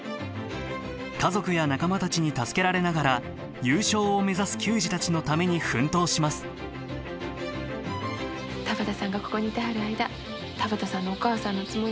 家族や仲間たちに助けられながら優勝を目指す球児たちのために奮闘します田畑さんがここにいてはる間田畑さんのお母さんのつもりで私応援してますさかい。